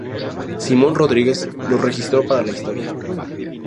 Simón Rodríguez lo registró para la Historia.